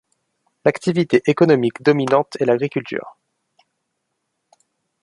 L'activité économique dominante est l’agriculture.